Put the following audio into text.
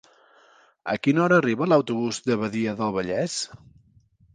A quina hora arriba l'autobús de Badia del Vallès?